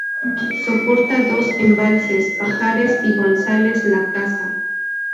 Soporta dos embalses: Pajares y González-Lacasa.